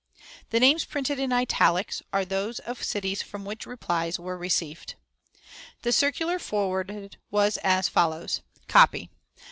(The names printed in italics are those of cities from which replies were received.) The circular forwarded was as follows: (Copy.)